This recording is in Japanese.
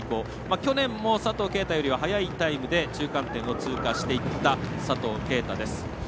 去年も佐藤圭汰よりは速いタイムで中間点を通過した佐藤圭汰です。